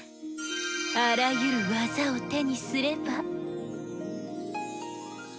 あらゆる技を手にすれば。